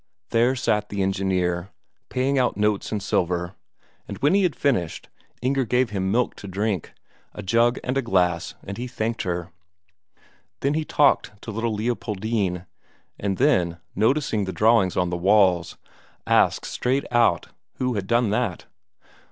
There sat the engineer, paying out notes and silver, and when he had finished, Inger gave him milk to drink, a jug and a glass, and he thanked her. Then he talked to little Leopoldine, and then, noticing the drawings on the walls, asked straight out who had done that.